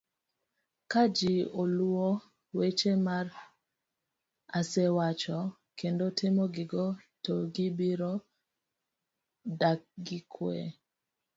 Ka ji oluwo weche ma asewacho kendo timo gigo to gibiro dak gi kue